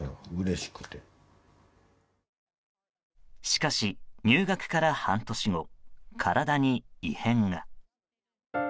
しかし、入学から半年後体に異変が。